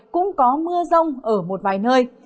cũng có mưa rông ở một vài nơi